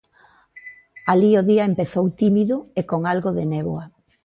Alí o día empezou tímido e con algo de néboa.